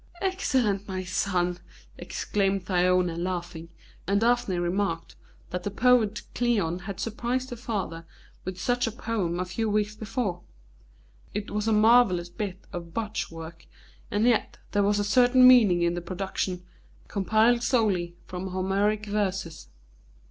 "Excellent, my son!" exclaimed Thyone, laughing, and Daphne remarked that the poet Cleon had surprised her father with such a poem a few weeks before. It was a marvellous bit of botchwork, and yet there was a certain meaning in the production, compiled solely from Homeric verses.